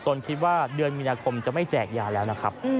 คิดว่าเดือนมีนาคมจะไม่แจกยาแล้วนะครับ